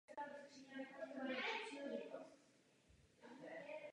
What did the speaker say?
Žije s nimi v New Yorku v Upper West Side.